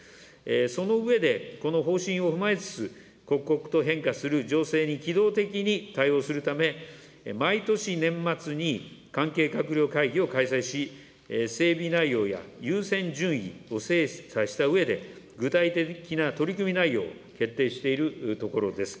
その上で、この方針を踏まえつつ、刻々と変化する情勢に機動的に対応するため、毎年年末に、関係閣僚会議を開催し、整備内容や優先順位を精査したうえで、具体的な取り組み内容を決定しているところです。